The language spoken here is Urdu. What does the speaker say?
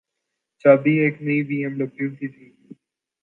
چابی ایک نئی بی ایم ڈبلیو کی تھی۔